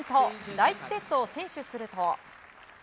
第１セットを先取すると。